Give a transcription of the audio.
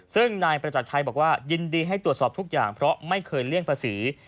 ซึ่งนายประจักรชัยบอกว่ายินดีให้ตรวจสอบทุกอย่างเพราะไม่เคยเลี่ยงภาษี